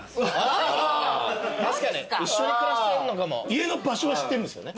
家の場所は知ってるんですよね？